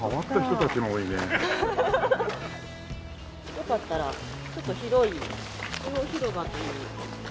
よかったらちょっと広い中央広場という。